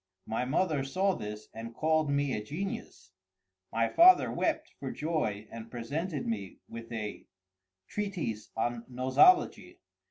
My mother saw this and called me a genius—my father wept for joy and presented me with a treatise on Nosology.